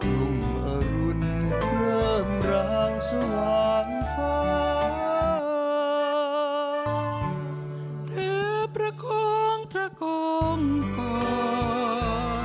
รุ่งอรุณเพิ่มรางสว่างฟ้าถือประคองพระคมก่อน